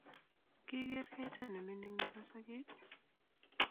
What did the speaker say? kiger kaita nemenging' nebo sokek.